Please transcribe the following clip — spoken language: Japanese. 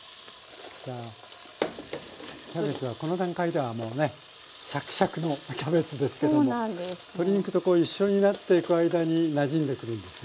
キャベツはこの段階ではもうねシャキシャキのキャベツですけども鶏肉とこう一緒になっていく間になじんでくるんですね。